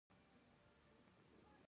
د ملګرو ملتونو د جوړېدو دلیلونه وویلی شي.